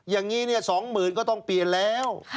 อย่างนี้๒๐๐๐ก็ต้องเปลี่ยนแล้ว